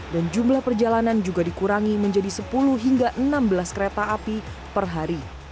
dan jumlah perjalanan juga dikurangi menjadi sepuluh hingga enam belas kereta api per hari